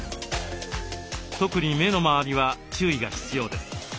特に目の周りは注意が必要です。